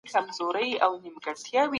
سیندینه